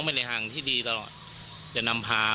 แม้นายเชิงชายผู้ตายบอกกับเราว่าเหตุการณ์ในครั้งนั้น